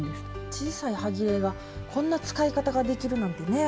小さいはぎれがこんな使い方ができるなんてね！